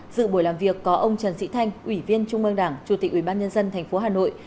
dự buổi làm việc có ông trần sĩ thanh ủy viên trung mương đảng chủ tịch ủy ban nhân dân tp hà nội